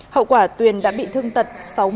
hậu quả tuyền đã bị thương tật sáu mươi